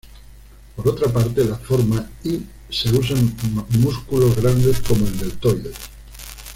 Por otra parte, la forma "Y" se usa en músculos grandes, como el deltoides.